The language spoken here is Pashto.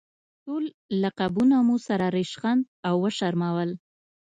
ټول لقبونه مو سره ریشخند او وشرمول.